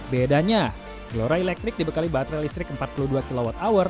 bedanya gelora elektrik dibekali baterai listrik empat puluh dua kwh